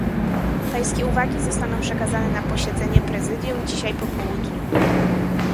Pańskie uwagi zostaną przekazane na posiedzenie Prezydium dzisiaj po południu